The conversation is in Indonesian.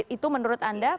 itu menurut anda